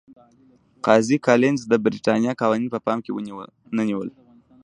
قاضي کالینز د برېټانیا قوانین په پام کې ونه نیول.